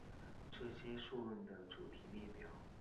这是数论的主题列表。